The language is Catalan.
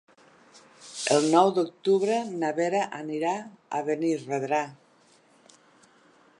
El nou d'octubre na Vera anirà a Benirredrà.